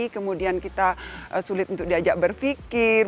kemudian kita sulit untuk diajak berpikir